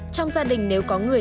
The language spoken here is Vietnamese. trong gia đình nếu có người